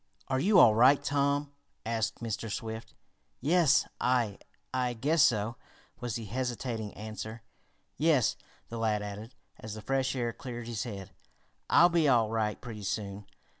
"Are you all right, Tom?" asked Mr. Swift. "Yes I I guess so," was the hesitating answer. "Yes," the lad added, as the fresh air cleared his head. "I'll be all right pretty soon.